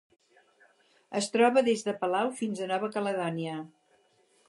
Es troba des de Palau fins a Nova Caledònia.